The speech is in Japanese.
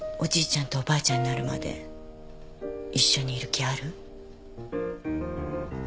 ちゃんとおばあちゃんになるまで一緒にいる気ある？